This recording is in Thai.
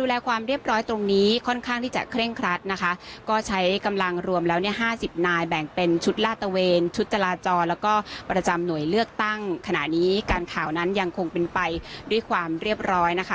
ดูแลความเรียบร้อยตรงนี้ค่อนข้างที่จะเคร่งครัดนะคะก็ใช้กำลังรวมแล้วเนี่ยห้าสิบนายแบ่งเป็นชุดลาดตะเวนชุดจราจรแล้วก็ประจำหน่วยเลือกตั้งขณะนี้การข่าวนั้นยังคงเป็นไปด้วยความเรียบร้อยนะคะ